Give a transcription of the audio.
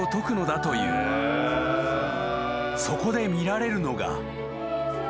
［そこで見られるのが］